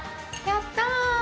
やった！